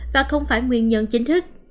và không phải nguyên nhân chính thức